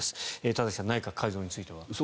田崎さん、内閣改造については。